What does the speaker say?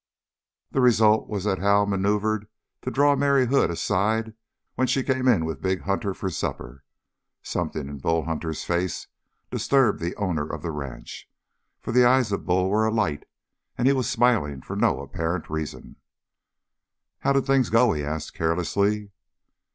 The result was that Hal maneuvered to draw Mary Hood aside when she came in with big Hunter for supper. Something in Bull Hunter's face disturbed the owner of the ranch, for the eyes of Bull were alight, and he was smiling for no apparent reason. "How did things go?" he asked carelessly.